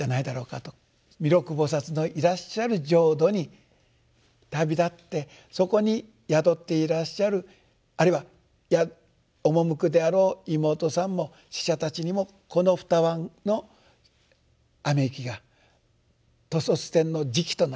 弥勒菩のいらっしゃる浄土に旅立ってそこに宿っていらっしゃるあるいは赴くであろう妹さんも死者たちにもこの二椀の雨雪が兜率天の食となると。